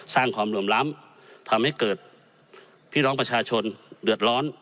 สร้างความเหลื่อมล้ำทำให้เกิดพี่น้องประชาชนเดือดร้อน